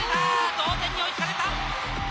同点に追いつかれた。